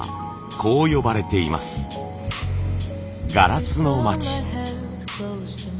ガラスの町。